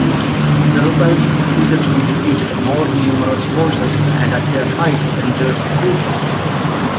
The rebels repeatedly defeated more numerous forces and at their height entered Kufah.